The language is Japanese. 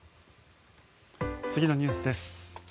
次のニュースです。